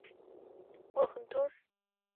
ওহ, ধুর।